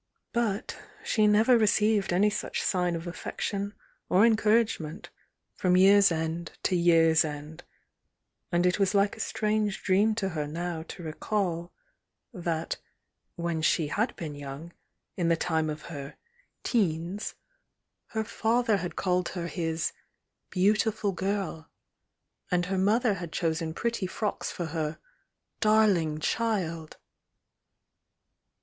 But she never received any such sign of affection or encourage ment from year's end to year's end, — and it was like a strange dream to her now to recall that when che had been young, in the time of her "teens," her S4 THE YOUNG DIANA father had called her his "beautiful girl," and her mother had chosen pretty frocks for her "darling child!"